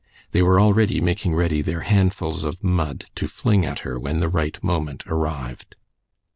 They were already making ready their handfuls of mud to fling at her when the right moment arrived.